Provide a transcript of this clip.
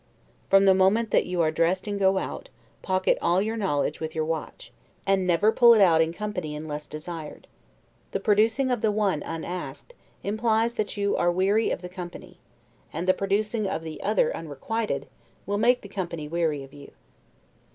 From the moment that you are dressed and go out, pocket all your knowledge with your watch, and never pull it out in company unless desired: the producing of the one unasked, implies that you are weary of the company; and the producing of the other unrequired, will make the company weary of you.